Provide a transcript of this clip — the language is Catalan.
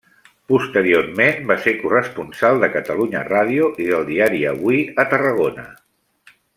Posteriorment va ser corresponsal de Catalunya Ràdio i del diari Avui a Tarragona.